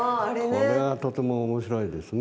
これはとても面白いですね。